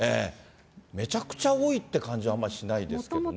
めちゃくちゃ多いって感じはあんまりしないですけどね。